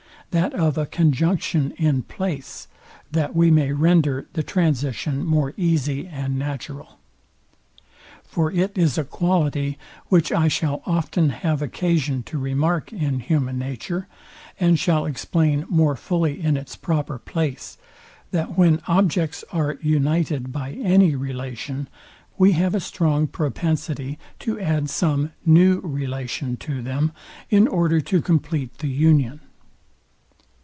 that of a CONJUNCTION IN PLACE, that we may render the transition more easy and natural. For it is a quality, which I shall often have occasion to remark in human nature, and shall explain more fully in its proper place, that when objects are united by any relation, we have a strong propensity to add some new relation to them, in order to compleat the union.